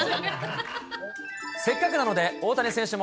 せっかくなので、大谷選手も